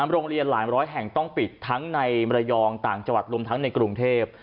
โรงเรียนหลายร้อยแห่งต้องปิดทั้งในมรยองต่างจังหวัดรวมทั้งในกรุงเทพ